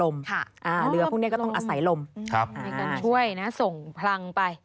มีคนช่วยส่งพลังไป